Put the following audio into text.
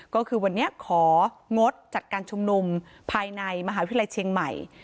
ก็คือวันนี้ของงดจัดการชุมนุมภายในมหาวิทยาลัยเชียงใหม่